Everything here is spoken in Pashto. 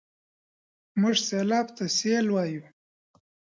موږ سېلاب ته سېل وايو.